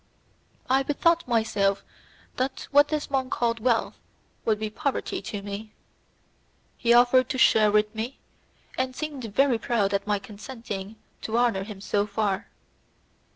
I bethought myself that what this monk called wealth would be poverty to me. He offered to share with me, and seemed very proud at my consenting to honour him so far.